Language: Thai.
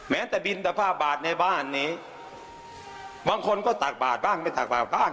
แต่บินตะผ้าบาทในบ้านนี้บางคนก็ตักบาทบ้างไม่ตักบาดบ้าง